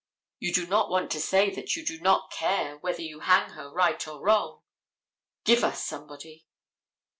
You do not want to say that you do not care whether you hang her right or wrong,—"give us somebody."